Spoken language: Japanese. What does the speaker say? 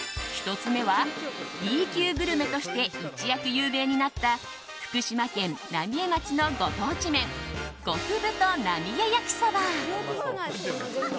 １つ目はＢ級グルメとして一躍有名になった福島県浪江町のご当地麺極太なみえ焼そば。